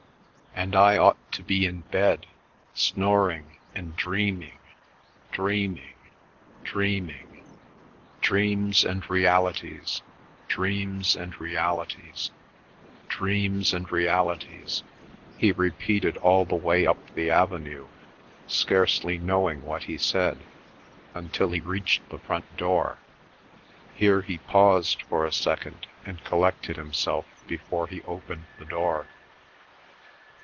"And I ought to be in bed, snoring and dreaming, dreaming, dreaming. Dreams and realities, dreams and realities, dreams and realities," he repeated all the way up the avenue, scarcely knowing what he said, until he reached the front door. Here he paused for a second, and collected himself before he opened the door.